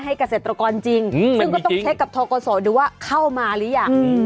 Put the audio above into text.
ให้เกษตรกรจริงซึ่งก็ต้องเช็คกับทกสหรือว่าเข้ามาหรืออย่างอืม